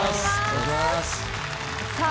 さあ